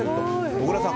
小倉さん